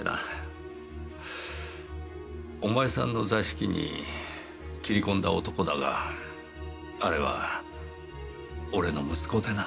お前さんの座敷に斬り込んだ男だがあれは俺の息子でな。